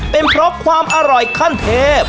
เป็นเพราะความอร่อยขั้นเทพ